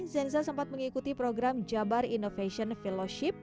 zenza sempat mengikuti program jabar innovation fellowship